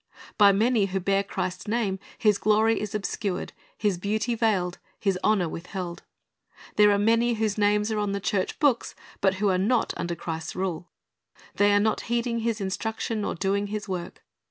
By many who bear Christ's name, His glory is obscured, His beauty veiled, His honor withheld. There are many whose names are on the church books, but who are not under Christ's rule. They are not heeding His instruction or doing His work.